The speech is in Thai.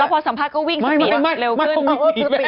แล้วพอสัมภาษณ์ก็วิ่งสปีดเร็วขึ้น